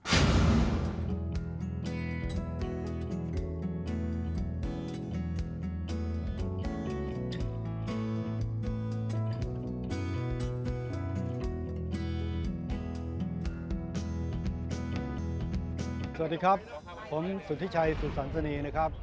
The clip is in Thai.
สวัสดีครับผมสุธิชัยสุสันสนีนะครับ